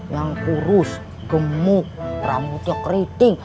yang kurus gemuk rambutnya keriting